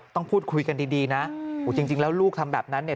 ต้องพูดคุยกันดีนะจริงแล้วลูกทำแบบนั้นเนี่ย